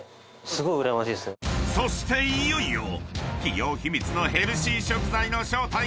［そしていよいよ企業秘密のヘルシー食材の正体が明らかに］